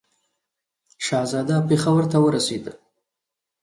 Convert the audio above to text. شهزاده پېښور ته ورسېدی.